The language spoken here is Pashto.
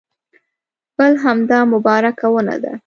بل همدا مبارکه ونه ده.